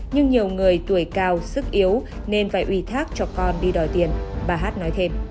nhưng nhiều người tuổi cao sức yếu nên phải ủy thác cho con đi đòi tiền bà hát nói thêm